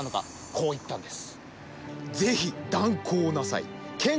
こう言ったんです。